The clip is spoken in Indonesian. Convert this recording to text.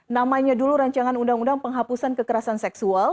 namanya dulu rancangan undang undang penghapusan kekerasan seksual